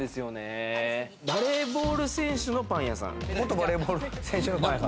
バレーボール選手のパン屋さん？